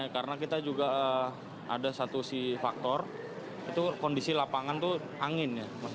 kondisi faktor itu kondisi lapangan itu angin ya